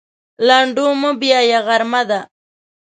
لنډو مه بیایه غرمه ده.